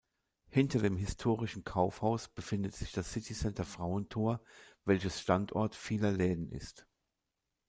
Hinter dem historischen Kaufhaus befindet sich das City-Center Frauentor, welches Standort vieler Läden ist.